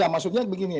oh ya maksudnya begini